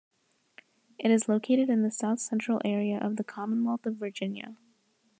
It is located in the south central area of the Commonwealth of Virginia.